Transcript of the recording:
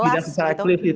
ya tidak secara clear sih